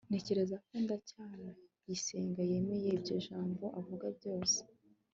ntekereza ko ndacyayisenga yemera ibyo jabo avuga byose